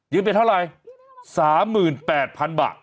ยืมเป็นเท่าไร๓๘๐๐๐บาท